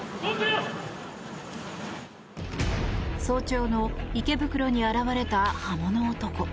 早朝の池袋に現れた刃物男。